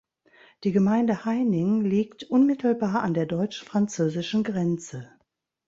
Die Gemeinde Heining liegt unmittelbar an der deutsch-französischen Grenze.